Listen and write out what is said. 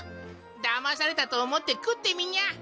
だまされたと思って食ってみにゃ。